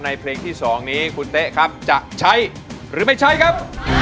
เพลงที่๒นี้คุณเต๊ะครับจะใช้หรือไม่ใช้ครับ